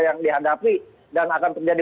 yang dihadapi dan akan terjadi